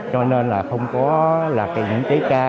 cho nên là không có những chế ca